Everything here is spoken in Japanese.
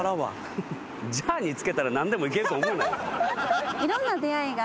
ジャーニー付けたら何でもいけると思うなよ。